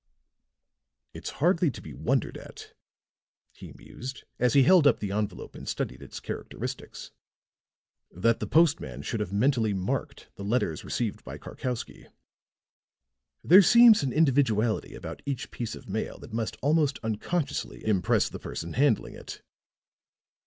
"It's hardly to be wondered at," he mused, as he held up the envelope and studied its characteristics, "that the postman should have mentally marked the letters received by Karkowsky. There seems an individuality about each piece of mail that must almost unconsciously impress the person handling it.